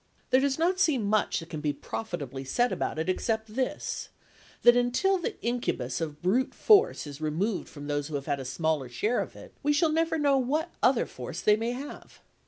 There does not seem much that can be profitably said about it except this: that until the incubus of brute force is removed from those who have a smaller share of it, we shall never know what other force they may have.